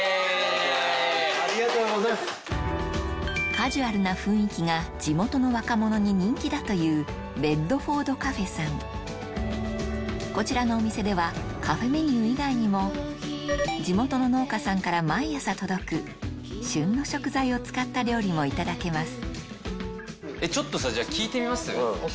カジュアルな雰囲気が地元の若者に人気だというこちらのお店ではカフェメニュー以外にも地元の農家さんから毎朝届く旬の食材を使った料理もいただけます